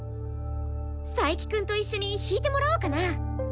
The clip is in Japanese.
佐伯くんと一緒に弾いてもらおうかな。